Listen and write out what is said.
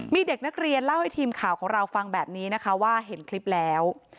มีเด็กนักเรียนเล่าให้ทีมข่าวของเราฟังแบบนี้นะคะว่าเห็นคลิปแล้ว